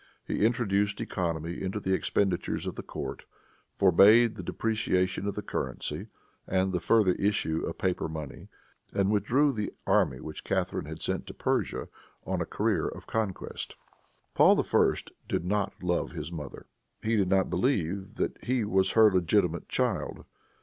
He introduced economy into the expenditures of the court, forbade the depreciation of the currency and the further issue of paper money, and withdrew the army which Catharine had sent to Persia on a career of conquest. Paul I. did not love his mother. He did not believe that he was her legitimate child.